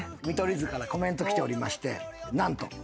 見取り図からコメント来ておりまして何と。